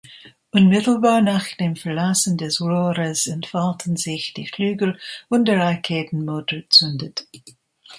Unmittelbar nach dem Verlassen des Rohres entfalten sich die Flügel und der Raketenmotor zündet.